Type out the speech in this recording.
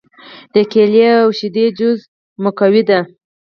د کیلې او شیدو جوس مقوي دی.